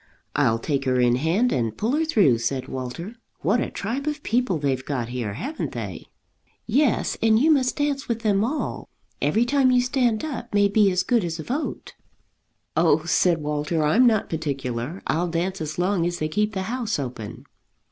"I'll take her in hand and pull her through," said Walter. "What a tribe of people they've got here, haven't they?" "Yes, and you must dance with them all. Every time you stand up may be as good as a vote." "Oh," said Walter, "I'm not particular; I'll dance as long as they keep the house open."